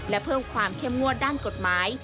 และเพิ่มความเข้มงวดด้านกฎหมาย